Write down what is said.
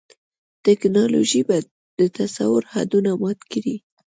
ټیکنالوژي به د تصور حدونه مات کړي.